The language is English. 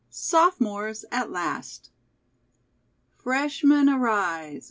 SOPHOMORES AT LAST. "Freshman, arise!